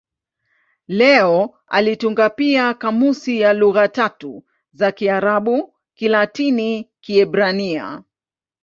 Leo alitunga pia kamusi ya lugha tatu za Kiarabu-Kilatini-Kiebrania.